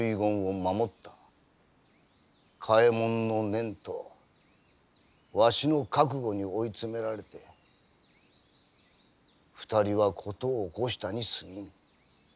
嘉右衛門の念とわしの覚悟に追い詰められて２人は事を起こしたにすぎん。